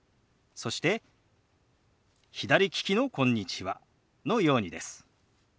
そして左利きの「こんにちは」のようにです。